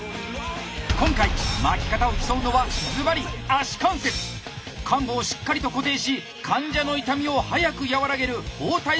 今回巻き方を競うのはズバリ患部をしっかりと固定し患者の痛みを早く和らげる包帯スキルの頂点へ！